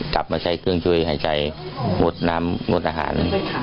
กลับมาใช้เครื่องช่วยหายใจงดน้ำงดอาหาร